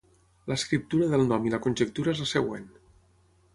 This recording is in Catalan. L'escriptura del nom i la conjectura és la següent.